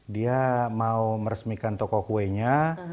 dia mau meresmikan toko kuenya